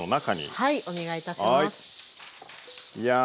はい。